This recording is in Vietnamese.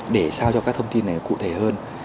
để sao cho các thông tin này cụ thể hơn